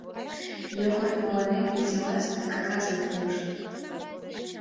Йогор мыланем изи ластык кагазым пуыш.